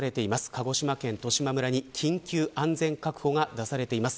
鹿児島県十島村に緊急安全確保が出されています。